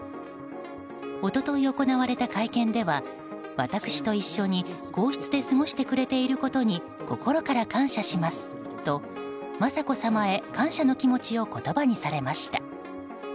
一昨日行われた会見では私と一緒に皇室で過ごしてくれていることに心から感謝しますと雅子さまへ感謝の気持ちを言葉にされました。